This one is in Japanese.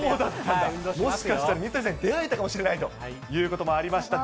もしかしたら水谷さん出会えたかもしれないということもありました。